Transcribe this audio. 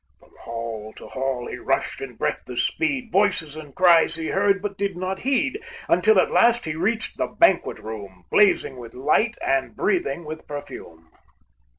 From hall to hall he rushed in breathless speed, Voices and cries he heard, but did not heed, Until at last he reached the banquet room, Blazing with light and breathing with perfume.